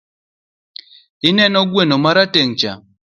Ineno gweno marateng'cha?